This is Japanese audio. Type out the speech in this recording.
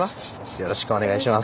よろしくお願いします。